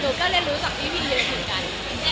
หนูก็ได้รู้จักพี่เยอะถึงกัน